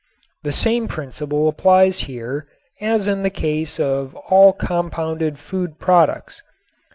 The same principle applies here as in the case of all compounded food products.